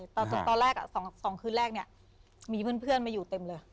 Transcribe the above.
ตอนแรก๒คืนแรกเนี่ยมีเพื่อนมาอยู่เต็มเลย